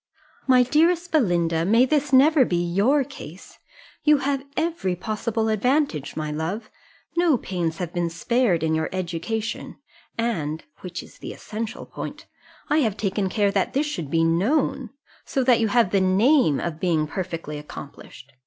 My dearest Belinda, may this never be your case! You have every possible advantage, my love: no pains have been spared in your education, and (which is the essential point) I have taken care that this should be known so that you have the name of being perfectly accomplished.